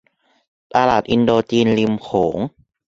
ตลาดอินโดจีนริมโขง